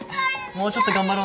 もうちょっと頑張ろうな。